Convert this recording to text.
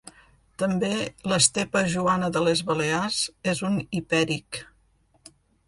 També l'estepa joana de les Balears és un hipèric.